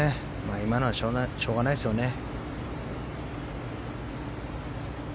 今のはしょうがないですよね。